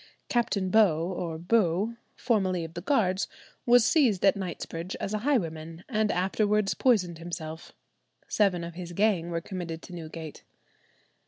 Captain Beau, or Bew, formerly of the Guards, was seized at Knightsbridge as a highwayman, and afterwards poisoned himself. Seven of his gang were committed to Newgate.